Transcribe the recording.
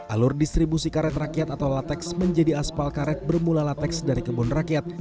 alur distribusi karet rakyat atau latex menjadi aspal karet bermula latex dari kebun rakyat